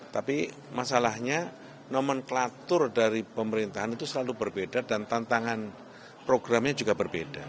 tapi masalahnya nomenklatur dari pemerintahan itu selalu berbeda dan tantangan programnya juga berbeda